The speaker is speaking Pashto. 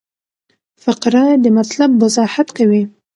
فقره د مطلب وضاحت کوي.